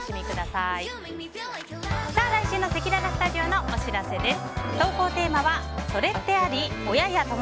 さあ来週のせきららスタジオのお知らせです。